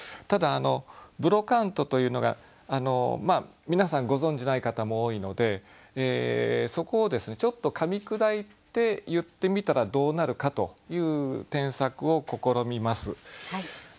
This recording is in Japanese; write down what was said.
ただブロカントというのが皆さんご存じない方も多いのでそこをですねちょっとかみ砕いて言ってみたらどうなるかという添削を試みます。